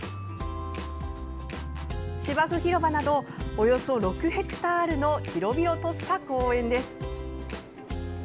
芝生広場などおよそ６ヘクタールの広々とした公園です。